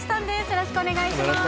よろしくお願いします